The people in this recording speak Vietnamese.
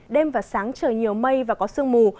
đêm và sáng trời nhiều mây và có sương mù